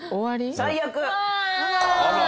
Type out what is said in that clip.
最悪！